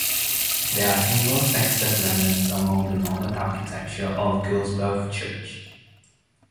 There are Anglo-Saxon remnants among the Norman architecture of Guilsborough church.